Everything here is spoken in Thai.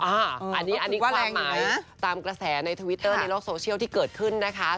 อันนี้ความหมายตามกระแสในทวิตเตอร์ในโลกโซเชียลที่เกิดขึ้นนะคะ